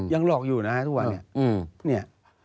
ยังหลอกอยู่นะฮะทุกวันนี้